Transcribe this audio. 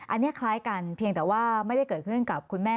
อันนี้คล้ายกันเพียงแต่ว่าไม่ได้เกิดขึ้นกับคุณแม่